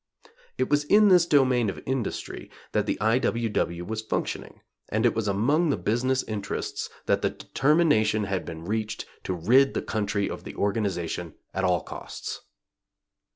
It was in this domain of industry that the I. W. W. was functioning, and it was among the business interests that the determination had been reached to rid the country of the organization at all costs.